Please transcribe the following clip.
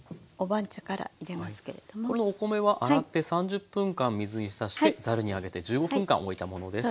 このお米は洗って３０分間水にひたしてざるに上げて１５分間おいたものです。